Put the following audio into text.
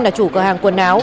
là chủ cửa hàng quần áo